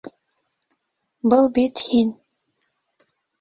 Был бит һин...